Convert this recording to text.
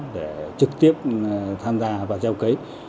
để trực tiếp tham gia vào gieo cấy